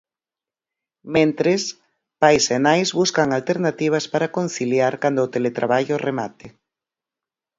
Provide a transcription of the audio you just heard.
Mentres, pais e nais buscan alternativas para conciliar cando o teletraballo remate.